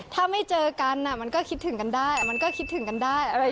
ถ้าไม่เจอกันน่ะมันก็คิดถึงกันได้มันก็คิดถึงกันได้อะไรอย่างเงี้ย